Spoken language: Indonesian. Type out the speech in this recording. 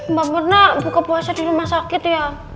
mbak purna buka puasa di rumah sakit ya